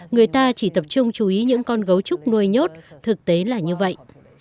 người ta chỉ tập trung chú ý những con gấu trúc nuôi nhốt thực tế là như vậy